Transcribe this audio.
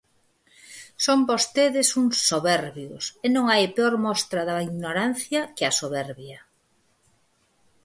Son vostedes uns soberbios, e non hai peor mostra da ignorancia que a soberbia.